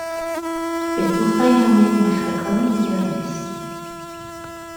Bydd blodau newydd yn dechrau coloneiddio'r ynys.